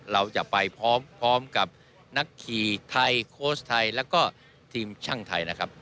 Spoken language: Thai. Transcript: เราจะไปพร้อมกับนักขี่ไทยโค้ชไทยแล้วก็ทีมช่างไทยนะครับ